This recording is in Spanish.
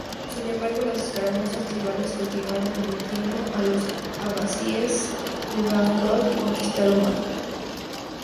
Sin embargo, las escaramuzas tribales continuaron, permitiendo a los abasíes de Bagdad conquistar Omán.